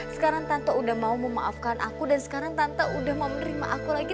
sekarang tanto udah mau memaafkan aku dan sekarang tanto udah mau menerima aku lagi